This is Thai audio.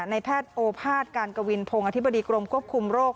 ในแพทย์โอภาษย์การกวินพงศ์อธิบดีกรมควบคุมโรค